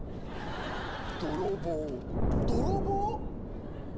泥棒泥棒？